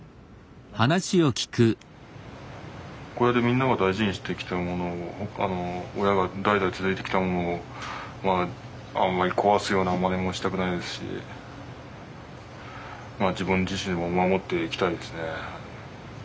小屋でみんなが大事にしてきたものを親が代々続いてきたものをあんまり壊すようなまねもしたくないですし自分自身でも守っていきたいですね。